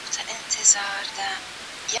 زه هره ورځ د سبا لپاره د هنرونو تمرين کوم،